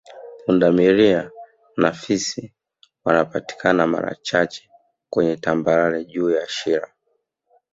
Punda milia na fisi wanapatikana mara chache kweye tambarare juu ya Shira